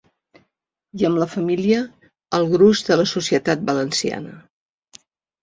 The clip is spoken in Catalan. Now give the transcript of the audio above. I amb la família, el gruix de la societat valenciana.